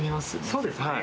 そうですね。